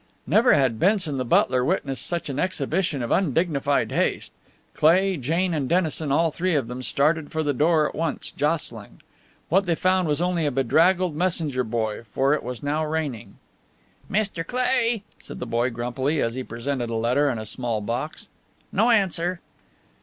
Never had Benson, the butler, witnessed such an exhibition of undignified haste. Cleigh, Jane, and Dennison, all three of them started for the door at once, jostling. What they found was only a bedraggled messenger boy, for it was now raining. "Mr. Cleigh," said the boy, grumpily, as he presented a letter and a small box. "No answer."